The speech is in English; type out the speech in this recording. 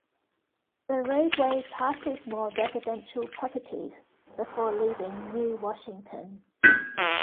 The roadway passes more residential properties, before leaving New Washington.